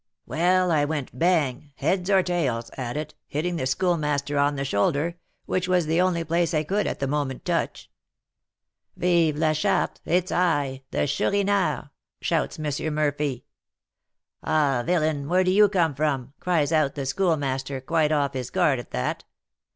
Well, I went bang, heads or tails, at it, hitting the Schoolmaster on the shoulder, which was the only place I could at the moment touch. 'Vive la Charte! it's I!' 'The Chourineur!' shouts M. Murphy. 'Ah, villain! where do you come from?' cries out the Schoolmaster, quite off his guard at that.